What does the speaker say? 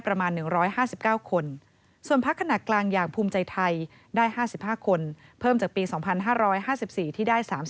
ประมาณ๑๕๙คนส่วนพักขนาดกลางอย่างภูมิใจไทยได้๕๕คนเพิ่มจากปี๒๕๕๔ที่ได้๓๐